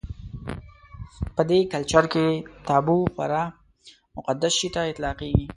په دې کلچر کې تابو خورا مقدس شي ته اطلاقېږي.